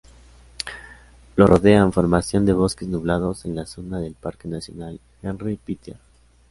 Lo rodean formación de bosques nublados en la zona del Parque Nacional Henri Pittier.